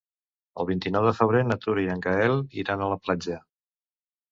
El vint-i-nou de febrer na Tura i en Gaël iran a la platja.